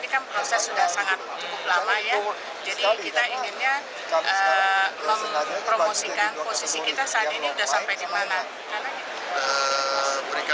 jadi selama ini kan proses sudah cukup lama ya